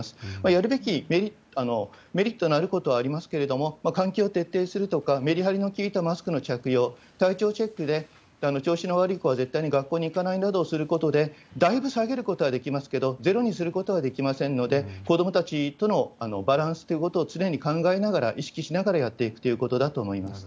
やるべきメリットのあることはありますけれども、換気を徹底するとか、めりはりの利いたマスクの着用、体調チェックで、調子の悪い子は絶対に学校に行かないなどをすることで、だいぶ下げることはできますけれども、ゼロにすることはできませんので、子どもたちとのバランスということを常に考えながら、意識しながらやっていくということだと思います。